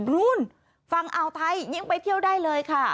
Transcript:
นู้นฝั่งอ่าวไทยยิ่งไปเที่ยวได้เลยค่ะ